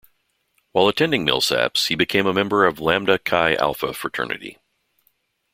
While attending Millsaps, he became a member of Lambda Chi Alpha Fraternity.